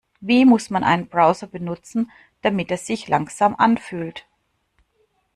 Wie muss man einen Browser benutzen, damit er sich langsam anfühlt?